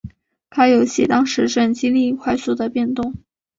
该游戏当时正经历快速的变动。